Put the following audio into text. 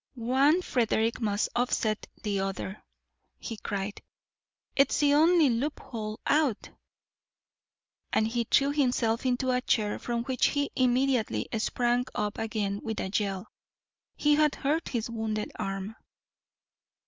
"One Frederick must offset the other," he cried. "It's the only loophole out," and he threw himself into a chair from which he immediately sprang up again with a yell. He had hurt his wounded arm.